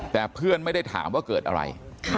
แต่เพื่อนไม่ได้ถามว่าเกิดอะไร